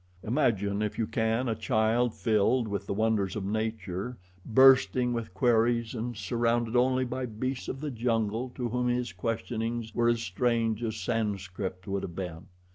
Imagine, if you can, a child filled with the wonders of nature, bursting with queries and surrounded only by beasts of the jungle to whom his questionings were as strange as Sanskrit would have been.